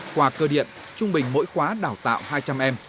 qua cơ điện trung bình mỗi khóa đào tạo hai trăm linh em